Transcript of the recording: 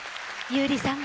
優里さん